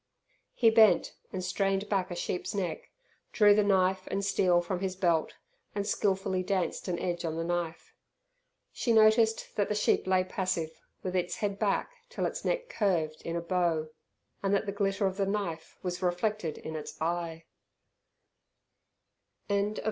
He bent and strained back a sheep's neck, drew the knife and steel from his belt, and skilfully danced an edge on the knife. She noticed that the sheep lay passive, with its head back till its neck curved in a bow, and that the glitter of the knife was reflected in its eye BUSH CHURCH.